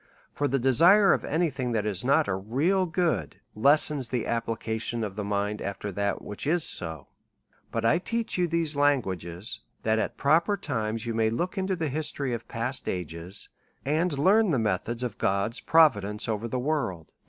For the desire of any thing that is not a real good, lessens the application of the mind after that which is so. But I teach you these languages, that at proper times you may look into the history of past ages, and learn the methods of God's providence over the world.